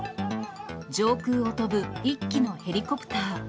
上空を飛ぶ１機のヘリコプター。